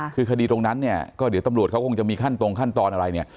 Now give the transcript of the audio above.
คือคดีตรงนั้นเนี่ยก็เดี๋ยวตำรวจเขาคงจะมีขั้นตรงขั้นตอนอะไรเนี่ย